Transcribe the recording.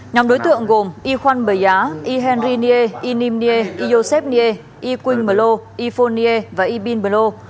nhóm đối tượng gồm y khwan beya y henry nie y nim nie y yosef nie y qing melo y fo nie và y bin melo